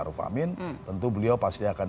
pak rufamin tentu beliau pasti akan